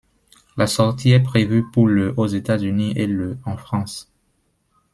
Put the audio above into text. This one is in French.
La sortie est prévue pour le aux États-Unis, et le en France.